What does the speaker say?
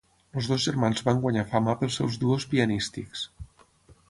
Els dos germans van guanyar fama pels seus duos pianístics.